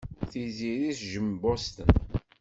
Tiziri tejjem Boston.